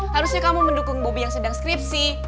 harusnya kamu mendukung bobby yang sedang skripsi